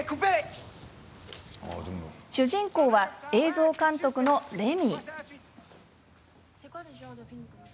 主人公は、映像監督のレミー。